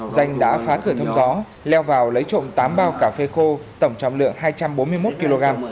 danh đã phá cửa thông gió leo vào lấy trộm tám bao cà phê khô tổng trọng lượng hai trăm bốn mươi một kg